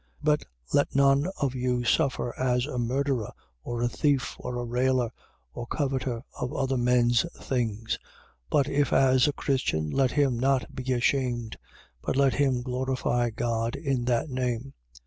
4:15. But let none of you suffer as a murderer or a thief or a railer or coveter of other men's things. 4:16. But, if as a Christian, let him not be ashamed: but let him glorify God in that name.